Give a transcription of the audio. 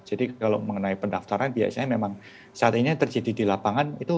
jadi kalau mengenai pendaftaran biasanya memang saat ini yang terjadi di lapangan